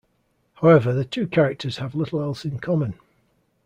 However, the two characters have little else in common.